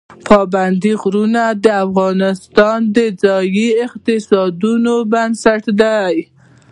پابندی غرونه د افغانستان د ځایي اقتصادونو بنسټ دی.